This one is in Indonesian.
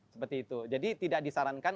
seperti itu jadi tidak disarankan